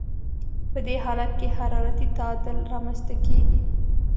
په دې حالت کې حرارتي تعادل رامنځته کیږي.